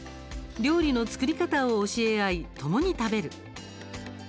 料理の作り方を教え合いともに食べる。